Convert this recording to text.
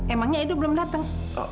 emangnya edo belum datang